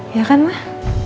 iya kan mah